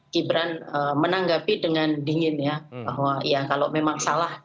gibran menanggapi dengan dingin ya bahwa ya kalau memang salah